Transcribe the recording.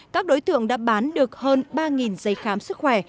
các đối tượng đã bán được hơn ba giấy khám sức khỏe